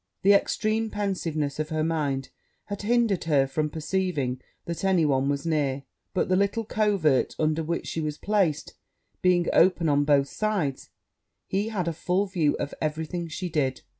The extreme pensiveness of her mind had hindered her from perceiving that any one was near; but the little covert under which she was placed being open on both sides, he had a full view of every thing she did.